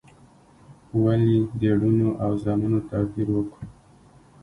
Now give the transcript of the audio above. ولي د لوڼو او زامنو توپیر وکو؟